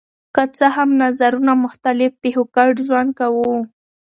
که څه هم نظرونه مختلف دي خو ګډ ژوند کوو.